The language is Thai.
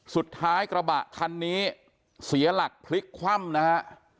สุดท้ายกระบะคันนี้เสียหลักพลิกคว่ำนะคะ